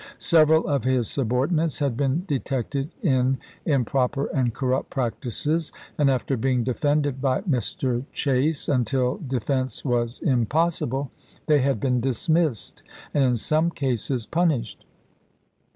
Several of his subordinates had been detected in improper and corrupt practices, and after being defended by Mr. Chase until defense was impossible, they had been dismissed, and in some cases punished.